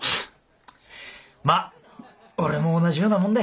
まあ俺も同じようなもんだ。